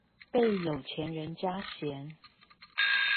被有錢人家嫌